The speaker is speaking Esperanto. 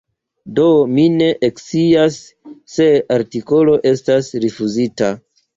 Do mi ne ekscias, se artikolo estas rifuzita.